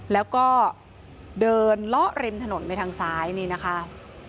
แล้วก็เดินล้อเล็มถนนในทางซ้ายนี่นะคะ